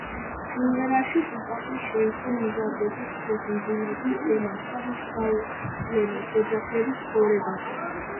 სიმღერაში ტუპაკი შეეხო მოზარდების ფეხმძიმობის თემას და მის გავლენას ოჯახების ცხოვრებაზე.